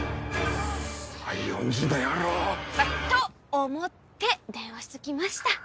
西園寺の野郎。と思って電話しときました。